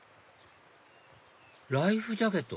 ライフジャケット？